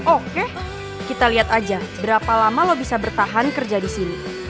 oke kita lihat aja berapa lama lo bisa bertahan kerja di sini